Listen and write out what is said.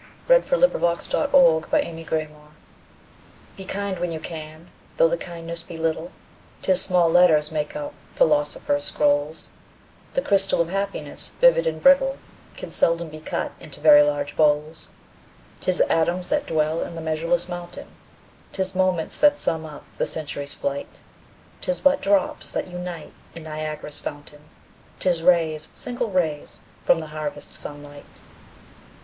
146033Be Kind When You CanEliza Cook Be kind when you can, though the kindness be little, 'Tis small letters make up philosophers' scrolls; The crystal of Happiness, vivid and brittle, Can seldom be cut into very large bowls. 'Tis atoms that dwell in the measureless mountain, 'Tis moments that sum up the century's flight; 'Tis but drops that unite in Niagara's fountain, 'Tis rays, single rays, from the harvest sun light.